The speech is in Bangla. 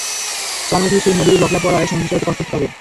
চার মাস ধরে সেই মজুরি বকেয়া পড়ায় সংসার চালাতে কষ্ট হচ্ছে তাঁদের।